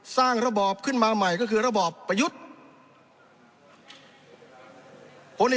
ระบอบขึ้นมาใหม่ก็คือระบอบประยุทธ์